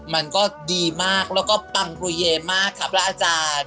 มันก็ดีมากแล้วก็ปังปรูเยมากค่ะพระอาจารย์